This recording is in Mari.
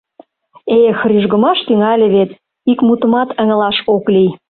Эх, рӱжгымаш тӱҥале вет, ик мутымат ыҥылаш ок лий.